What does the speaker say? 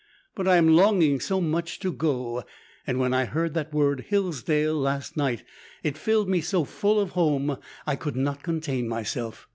But I am longing so much to go! And when I heard that word Hillsdale last night, it filled me so full of home I could not contain myself.